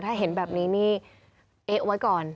ถ้าเห็นแบบนี้นี่เอ๊ะไว้ก่อน